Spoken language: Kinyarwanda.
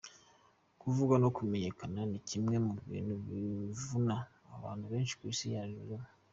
Kuvugwa no kumenyekana ni kimwe mu bintu bivuna abantu benshi ku isi ya rurema.